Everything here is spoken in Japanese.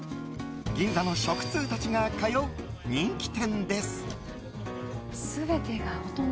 銀座の食通たちが通う人気店。